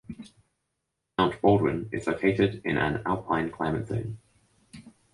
Mount Baldwin is located in an alpine climate zone.